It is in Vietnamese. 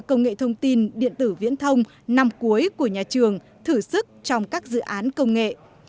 công nghệ thông tin điện tử viễn thông năm cuối của nhà trường thử sức trong các dự án công nghệ